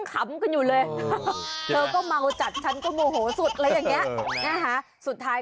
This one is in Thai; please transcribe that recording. เดี๋ยวถ่าย